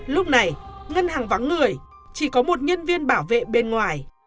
lúc này ngân hàng vắng người chỉ có một nhân viên bảo vệ bên ngoài